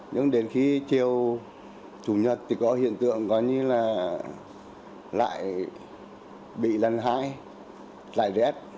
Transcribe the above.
nhưng đến khi chiều chủ nhật thì có hiện tượng có như là lại bị lần hai lại rét